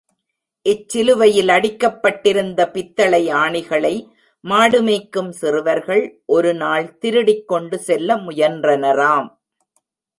இச்சிலுவையில் அடிக்கப்பட்டிருந்த பித்தளை ஆணிகளை மாடு மேய்க்கும் சிறுவர்கள் ஒரு நாள் திருடிக் கொண்டு செல்ல முயன்றனராம்.